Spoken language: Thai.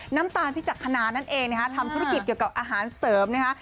น้ำตาลพิจักษณานั่นเองนะคะทำธุรกิจเกี่ยวกับอาหารเสริมนะคะ